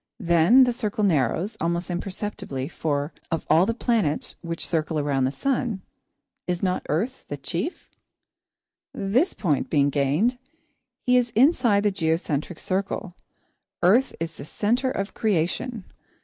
Then the circle narrows, almost imperceptibly, for, of all the planets which circle around the sun, is not Earth the chief? This point being gained, he is inside the geocentric circle. Earth is the centre of creation.